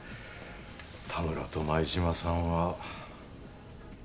田村と舞島さんは。